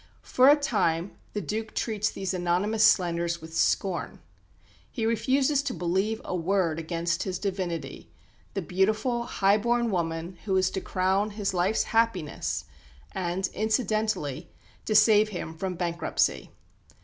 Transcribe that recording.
For a time the Duke treats these anonymous slanders with scorn. He refuses to believe a word against his divinity, the beautiful, high born woman who is to crown his life's happiness and, incidentally, to save him from bankruptcy.